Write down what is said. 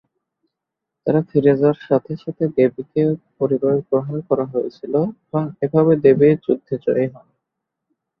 তারা ফিরে যাওয়ার সাথে সাথে দেবীকে পরিবারে গ্রহণ করা হয়েছিল এবং এভাবে দেবী যুদ্ধে জয়ী হন।